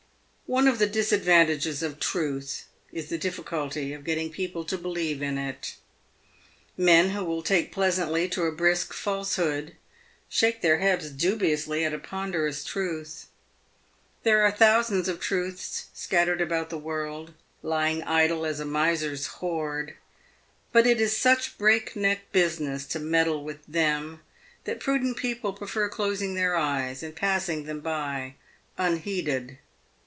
One of the disadvantages of Truth is the difficulty of getting peo ple to believe in it. Men who will take pleasantly to a brisk false hood shake their heads dubiously at a ponderous truth. There are thousands of truths scattered about the world, lying idle as a miser's hoard, but it is such break neck business to meddle with them, that prudent people prefer closing their eyes and passing them by un heeded.